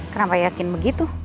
kenapa yakin begitu